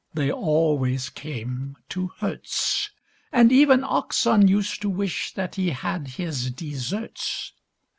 They always came to Herts; And even Oxon used to wish That he had his deserts.